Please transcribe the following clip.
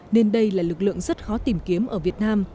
nên đây là lực lượng rất khó tìm kiếm ở việt nam